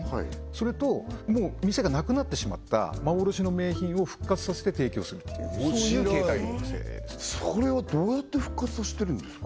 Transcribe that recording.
それとはいもう店がなくなってしまった幻の名品を復活させて提供するっていう形態のお店ですねそれはどうやって復活させてるんですか？